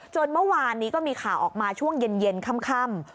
เมื่อวานนี้ก็มีข่าวออกมาช่วงเย็นค่ำ